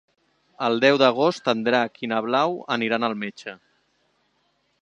El deu d'agost en Drac i na Blau aniran al metge.